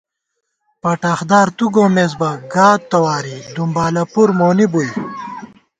پٹاخدارہ تُو گومېس بہ گا تَواری ، دُمبالَہ پُر مونی بُوئی